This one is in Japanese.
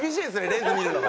レンズ見るのがね。